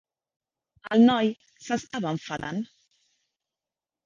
El noi s'estava enfadant.